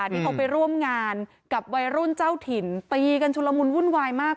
ที่เขาไปร่วมงานกับวัยรุ่นเจ้าถิ่นตีกันชุลมุนวุ่นวายมาก